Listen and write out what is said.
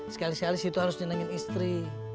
sekali sekali situ harus nyenengin istri